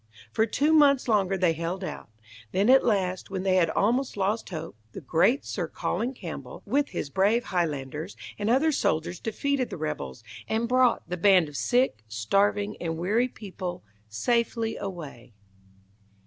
For two months longer they held out. Then at last, when they had almost lost hope, the great Sir Colin Campbell with his brave Highlanders and other soldiers defeated the rebels, and brought the band of sick, starving, and weary people safely away.